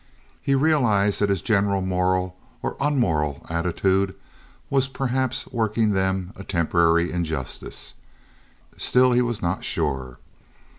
He realized that his general moral or unmoral attitude was perhaps working them a temporary injustice. Still he was not sure.